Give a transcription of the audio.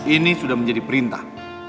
ini sudah menjadi perintah